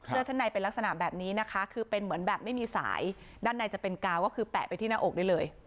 ชั้นในเป็นลักษณะแบบนี้นะคะคือเป็นเหมือนแบบไม่มีสายด้านในจะเป็นกาวก็คือแปะไปที่หน้าอกได้เลย